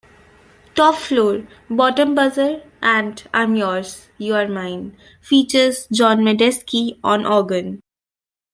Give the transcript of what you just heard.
"Top Floor, Bottom Buzzer" and "I'm Yours, You're Mine" features John Medeski on organ.